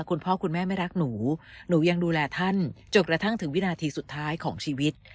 คุณพ่อคุณแม่ไม่รักหนูหนูยังดูแลท่านจนกระทั่งถึงวินาทีสุดท้ายของชีวิต